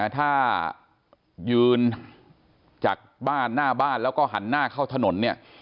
ถ้ายืนจากบ้านหน้าบ้านแล้วก็หันหน้าเข้าถนนเนี่ย